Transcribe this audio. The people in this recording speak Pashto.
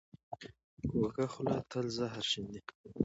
کوږه خوله تل زهر شیندي